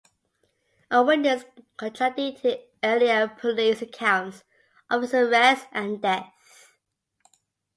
A witness contradicted earlier police accounts of his arrest and death.